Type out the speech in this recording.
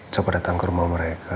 coba datang ke rumah mereka